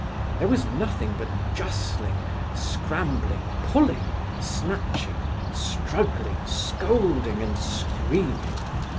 There was nothing but justling, scrambling, pulling, snatching, struggling, scolding, and screaming.